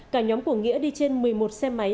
cả nhóm của nghĩa đi trên một mươi một xe máy